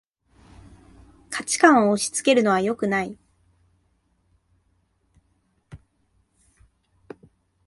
価値観を押しつけるのはよくない